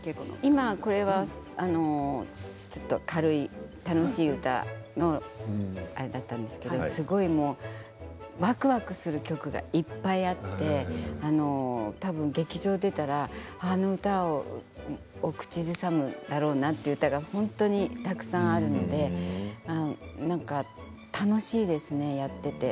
今これはちょっと軽い楽しい歌のあれだったんですけどすごいわくわくする曲がいっぱいあって多分、劇場出たら、あの歌を口ずさむだろうなという歌が本当にたくさんあるので楽しいですね、やっていて。